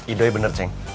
idui benar cek